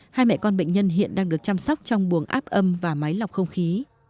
hai mẹ con bệnh nhân hiện đang được chăm sóc trong buồng áp âm và máy lọc không khí